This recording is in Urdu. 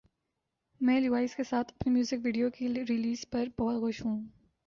میں لیوائز کے ساتھ اپنی میوزک ویڈیو کی ریلیز پر بہت خوش ہوں